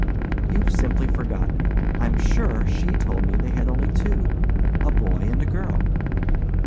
"You've simply forgotten. I'm sure she told me they had only two—a boy and a girl."